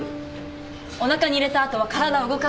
おなかに入れた後は体を動かす。